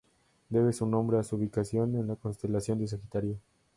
Debe su nombre a su ubicación en la constelación de Sagitario.